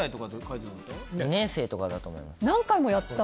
２年生だと思います。